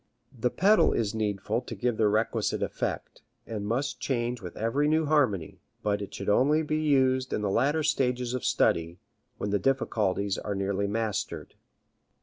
The pedal is needful to give the requisite effect, and must change with every new harmony; but it should only be used in the latter stages of study, when the difficulties are nearly mastered.